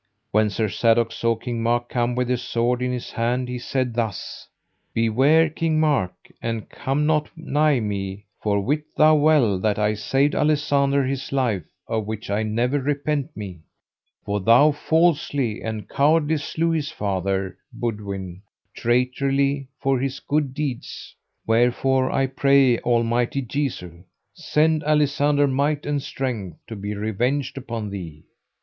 When Sir Sadok saw King Mark come with his sword in his hand he said thus: Beware, King Mark, and come not nigh me; for wit thou well that I saved Alisander his life, of which I never repent me, for thou falsely and cowardly slew his father Boudwin, traitorly for his good deeds; wherefore I pray Almighty Jesu send Alisander might and strength to be revenged upon thee.